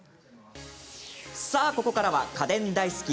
ここからは家電大好き！